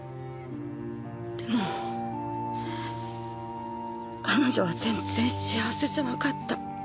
でも彼女は全然幸せじゃなかった！